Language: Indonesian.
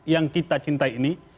yang kita cintai ini